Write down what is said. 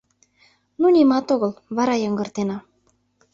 Ну, нимат огыл, вара йыҥгыртена.